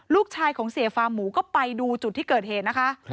ลูกชายของเสียฟาร์หมูก็ไปดูจุดที่เกิดเหตุนะคะ